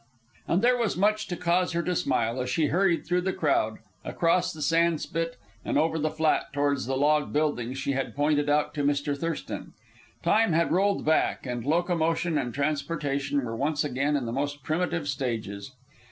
And there was much to cause her to smile as she hurried through the crowd, across the sand spit, and over the flat towards the log building she had pointed out to Mr. Thurston. Time had rolled back, and locomotion and transportation were once again in the most primitive stages.